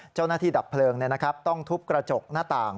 เจ้าหน้าที่ดับเพลิงต้องทุบกระจกหน้าต่าง